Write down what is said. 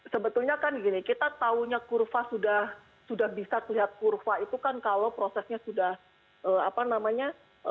sebetulnya kan gini kita tahunya kurva sudah bisa kelihatan kurva itu kan kalau prosesnya sudah apa namanya